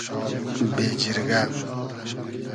بېجیرگۂ